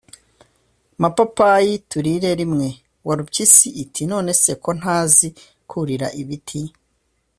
mapapayi, turire rimwe. Warupyisi iti: “None se ko ntazi kurira ibiti